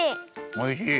おいしい！